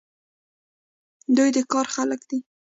دوی د کار خلک دي.